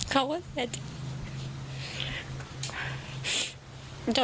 เขาว่าก็แค่จะบ้อย